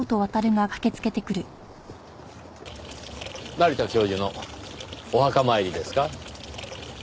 成田教授のお墓参りですか？